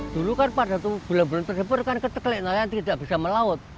dulu kan pada bulan bulan terdepur kan keteklik nelayan tidak bisa melaut